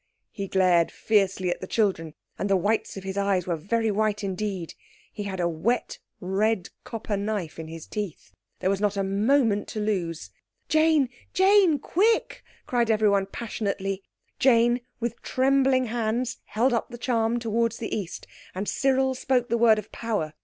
He glared fiercely at the children, and the whites of his eyes were very white indeed. He had a wet, red copper knife in his teeth. There was not a moment to lose. "Jane, Jane, QUICK!" cried everyone passionately. Jane with trembling hands held up the charm towards the East, and Cyril spoke the word of power.